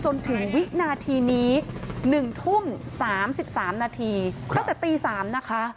จนถึงวินาทีนี้๑ทุ่ม๓๓นาทีตั้งแต่ตี๓นะคะ